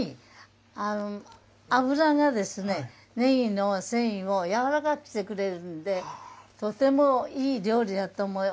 油がねぎの繊維をやわらかくしてくれるんで、とてもいい料理だと思います。